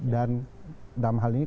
dan dalam hal ini